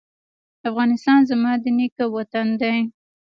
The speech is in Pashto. افغانستان زما د نیکه وطن دی